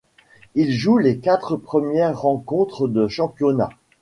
Il joue les quatre premières rencontres de championnat.